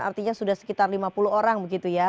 artinya sudah sekitar lima puluh orang begitu ya